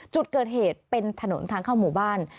จุดเกิดเหตุเป็นถนนทางเข้าหมู่บ้าน